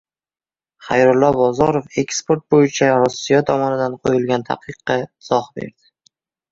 — Xayrullo Bozorov eksport bo‘yicha Rossiya tomonidan qo‘yilgan taqiqqa izoh berdi